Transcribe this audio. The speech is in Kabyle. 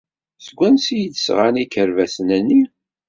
Seg wansi ay d-sɣan ikerbasen-nni?